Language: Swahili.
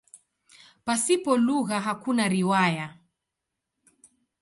Pasipo lugha hakuna riwaya.